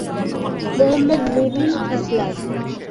Muhammad Nurul Islam.